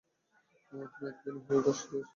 তুমি এত ধনী হয়েও ঘাস দিয়ে হাঁটছ!